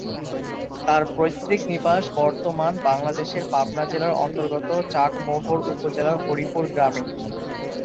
তার পৈতৃক নিবাস বর্তমান বাংলাদেশের পাবনা জেলার অন্তর্গত চাটমোহর উপজেলার হরিপুর গ্রামে।